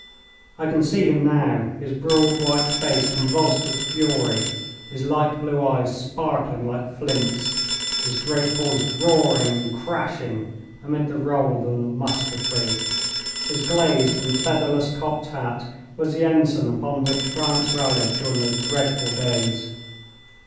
I can see him now, his broad white face convulsed with fury, his light blue eyes sparkling like flints, his great voice roaring and crashing amid the roll of the musketry. His glazed and featherless cocked hat was the ensign upon which France rallied during those dreadful days.